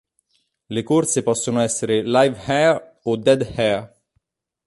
Le corse possono essere "live hare" o "dead hare".